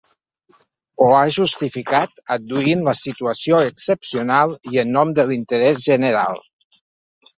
Ho ha justificat adduint la situació excepcional i en nom de l’interès general.